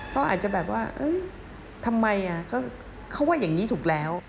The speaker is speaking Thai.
เขาอาจจะแบบว่าทำไมเขาว่าอย่างนี้ถูกแล้ว